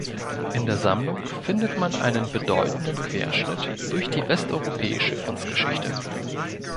In der Sammlung findet man einen bedeutenden Querschnitt durch die westeuropäische Kunstgeschichte.